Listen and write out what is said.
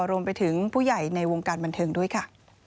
รวมไปถึงผู้ใหญ่ในวงการบันเทิงด้วยค่ะ